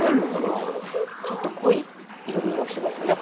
ちょっと濃い色みをしてますよね